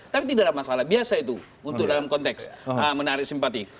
tapi tidak ada masalah biasa itu untuk dalam konteks menarik simpati